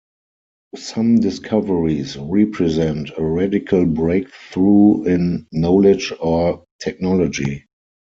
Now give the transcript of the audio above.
Some discoveries represent a radical breakthrough in knowledge or technology.